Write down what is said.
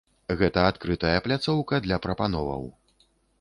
Гэта адкрытая пляцоўка для прапановаў.